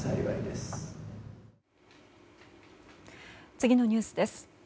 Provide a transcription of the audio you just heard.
次のニュースです。